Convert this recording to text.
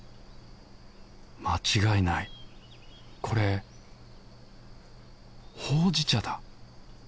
間違いないこれほうじ茶だ